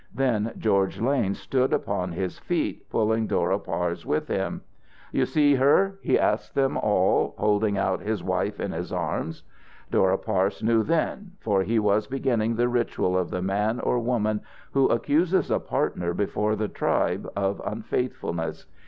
Then George Lane stood upon his feet, pulling Dora Parse with him. "You see her?" he asked them all, holding out his wife in his arms. Dora Parse knew then, for he was beginning the ritual of the man or woman who accuses a partner, before the tribe, of unfaithfulness.